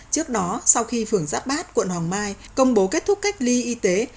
trước đó sau khi phường giáp bát quận hoàng mai công bố kết thúc cách ly y tế